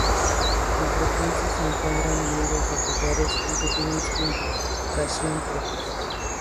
Con frecuencia se encuentran unidos a collares, aunque tienen significación propia.